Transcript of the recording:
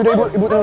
ya tenang ya